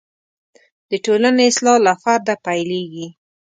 د ټولنې اصلاح له فرده پیلېږي.